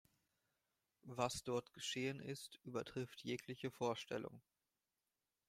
Was dort geschehen ist, übertrifft jegliche Vorstellung.